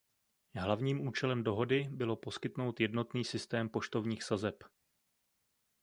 Hlavním účelem dohody bylo poskytnout jednotný systém poštovních sazeb.